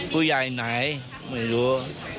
ผู้ใหญ่ไหนไม่รู้